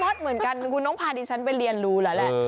เหมือนกันคุณต้องพาดิฉันไปเรียนรู้แล้วแหละ